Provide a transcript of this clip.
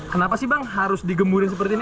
kenapa sih bang harus digemurin seperti ini